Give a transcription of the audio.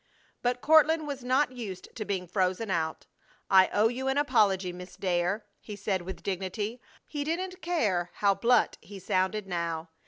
But Courtland was not used to being frozen out. "I owe you an apology, Miss Dare," he said, with dignity. He didn't care how blunt he sounded now.